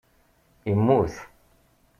Immut.